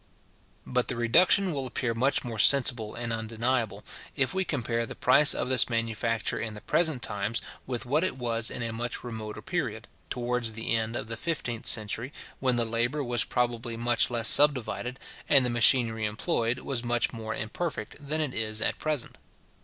But the reduction will appear much more sensible and undeniable, if we compare the price of this manufacture in the present times with what it was in a much remoter period, towards the end of the fifteenth century, when the labour was probably much less subdivided, and the machinery employed much more imperfect, than it is at present.